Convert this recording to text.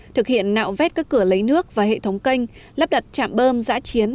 thực hiện nạo vét các cửa lấy nước và hệ thống canh lắp đặt chạm bơm giã chiến